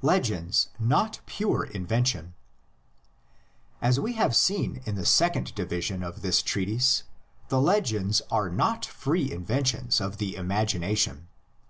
LEGENDS NOT PURE INVENTION. As we have seen in the second division of this treatise, the legends are not free inventions of the imagination.